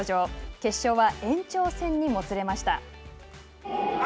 決勝は延長戦にもつれました。